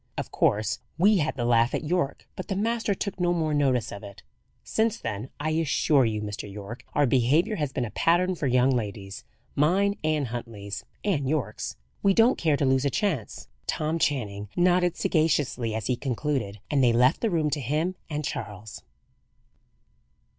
Of course we had the laugh at Yorke; but the master took no more notice of it. Since then, I assure you, Mr. Yorke, our behaviour has been a pattern for young ladies mine, and Huntley's, and Yorke's. We don't care to lose a chance." Tom Channing nodded sagaciously as he concluded, and they left the room to him and Charles.